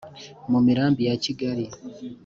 mu mirambi ya kigali